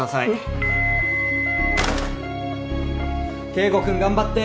圭吾君頑張って！